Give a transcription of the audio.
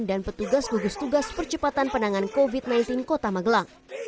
dan petugas gugus tugas percepatan penangan covid sembilan belas kota magelang